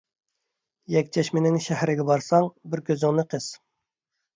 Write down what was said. يەكچەشمىنىڭ شەھىرىگە بارساڭ بىر كۆزۈڭنى قىس.